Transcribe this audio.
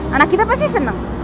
anak kita pasti seneng